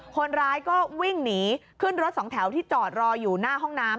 คนร้ายก็วิ่งหนีขึ้นรถสองแถวที่จอดรออยู่หน้าห้องน้ำ